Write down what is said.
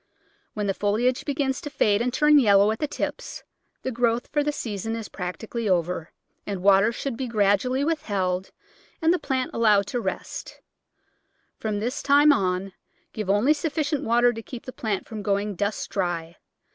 When the foliage begins to fade and turn yellow at the tips the growth for the Digitized by Google 158 The Flower Garden [Chapter season is practically over, and water should be grad ually withheld, and the plant allowed to rest. From this time on give only sufficient water to keep the plant from going dust dry.